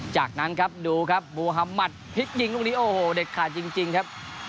จากนั้นครับดูครับมูฮามัดพลิกยิงลูกนี้โอ้โหเด็ดขาดจริงครับ